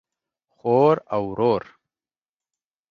خور او ورور